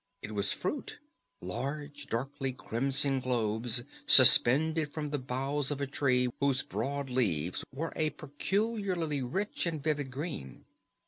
It was fruit, large, darkly crimson globes suspended from the boughs of a tree whose broad leaves were a peculiarly rich and vivid green.